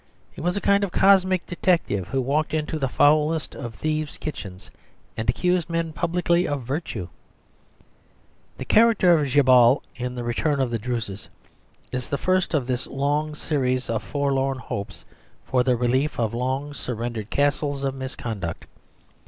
He was a kind of cosmic detective who walked into the foulest of thieves' kitchens and accused men publicly of virtue. The character of Djabal in The Return of the Druses is the first of this long series of forlorn hopes for the relief of long surrendered castles of misconduct.